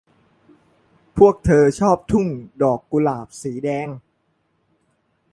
พวกเธอชอบทุ่งดอกกุหลาบสีแดง